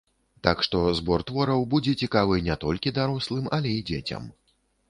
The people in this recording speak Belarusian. Так што збор твораў будзе цікавы не толькі дарослым, але і дзецям.